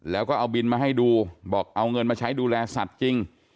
แล้วก็เอาบินมาให้ดูบอกเอาเงินมาใช้ดูแลสัตว์จริง